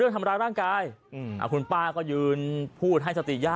เดี๋ยวสินะ